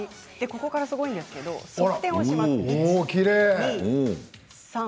ここからすごいんですが側転をします。